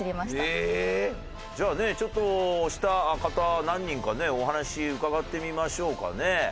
じゃあねちょっと押した方何人かねお話伺ってみましょうかね。